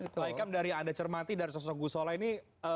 baikam dari anda cermati dari sosok gusole ini